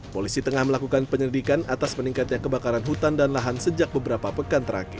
polisi tengah melakukan penyelidikan atas meningkatnya kebakaran hutan dan lahan sejak beberapa pekan terakhir